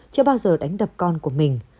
chưa bao giờ đánh đập con của mình